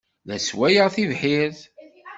La sswayen tibḥirt.